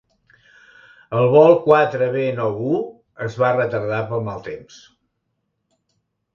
El vol quatre be nou u es va retardar pel mal temps.